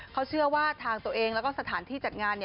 เขาเชื่อว่าทางตัวเองแล้วก็สถานที่จัดงาน